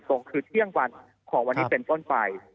ตรงคือเที่ยงวันของวันนี้เป็นต้นไป